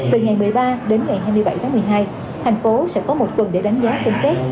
từ ngày một mươi ba đến ngày hai mươi bảy tháng một mươi hai thành phố sẽ có một tuần để đánh giá xem xét